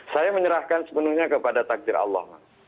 saya menyerahkan sepenuhnya kepada takdir allah